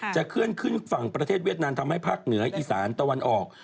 เคลื่อนขึ้นฝั่งประเทศเวียดนามทำให้ภาคเหนืออีสานตะวันออก